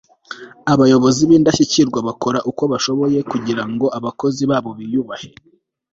abayobozi b'indashyikirwa bakora uko bashoboye kugira ngo abakozi babo biyubahe